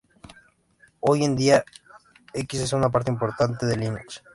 Hoy en día, X es una parte importante de Linux.